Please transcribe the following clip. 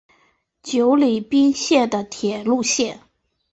久里滨线的铁路线。